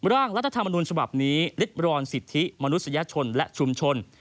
ร่างรัฐธรรมนุนฉบับนี้ลิดรอนสิทธิมนุษยชนและชุมชน